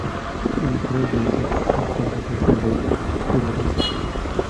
Las mujeres obedecen como los hombres a esta Ley rigurosa.